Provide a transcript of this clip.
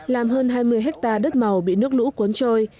làm hơn hai mươi hectare đất màu bị nước lũ cuốn trôi